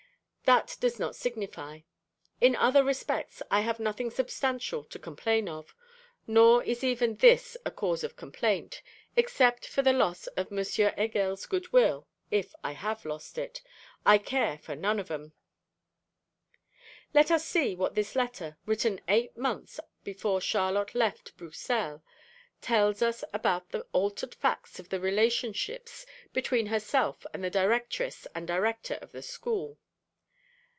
That does not signify; in other respects I have nothing substantial to complain of, nor is even this a cause of complaint. Except for the loss of M. Heger's goodwill (if I have lost it,) I care for none of 'em.' Let us see what this letter, written eight months before Charlotte left Bruxelles, tells us about the altered facts of the relationships between herself and the Directress and Director of the School.